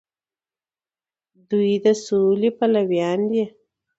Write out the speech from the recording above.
دوی د سولې پلویان دي.